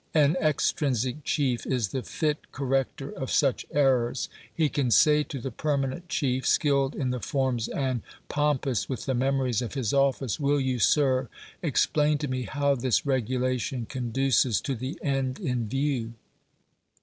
An extrinsic chief is the fit corrector of such errors. He can say to the permanent chief, skilled in the forms and pompous with the memories of his office, "Will you, Sir, explain to me how this regulation conduces to the end in view?